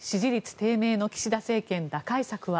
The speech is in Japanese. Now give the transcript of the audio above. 低迷の岸田政権打開策は？